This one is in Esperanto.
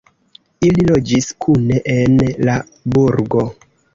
Ili loĝis kune en la burgo.